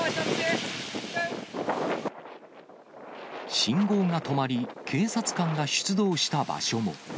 信号が止まり、警察官が出動した場所も。